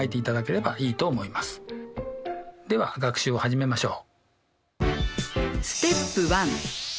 では学習を始めましょう。